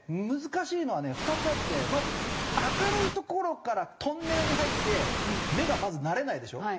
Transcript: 難しいのはね２つあってまず明るい所からトンネルに入って目がまず慣れないでしょ？